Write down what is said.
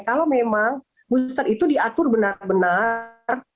kalau memang booster itu diatur benar benar